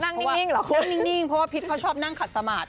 นั่งนิ่งเพราะว่าพริษเขาชอบนั่งขัดสมาด